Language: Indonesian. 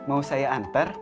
mau saya antar